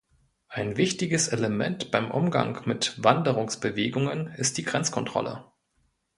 Ein wichtiges Element beim Umgang mit Wanderungsbewegungen ist die Grenzkontrolle.